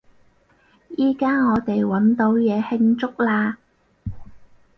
依加我哋搵到嘢慶祝喇！